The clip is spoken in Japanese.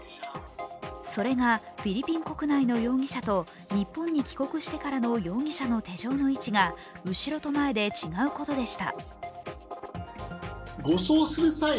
それがフィリピン国内の容疑者と日本に帰国してからの手錠の位置が後ろと前で違うことでした。